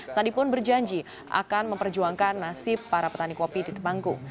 sandi pun berjanji akan memperjuangkan nasib para petani kopi di tepanggung